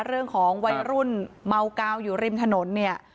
เรื่องของวัยรุ่นเมากาวอยู่ริมถนนเนี่ย